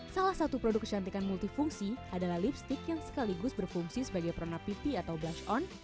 salah satu produk kecantikan multifungsi adalah lipstick yang sekaligus berfungsi sebagai produk pipi atau blush on